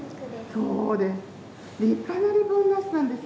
そうです。